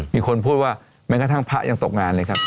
มีคนพูดว่าแม้กระทั่งพระยังตกงานเลยครับ